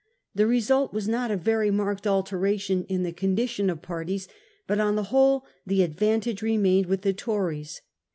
The result was not a very marked alteration in the condition of parties ; but on the whole the advantage remained with the Tories.